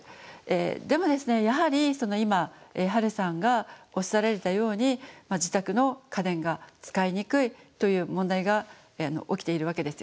でもですねやはりその今はれさんがおっしゃられたように自宅の家電が使いにくいという問題が起きているわけですよね。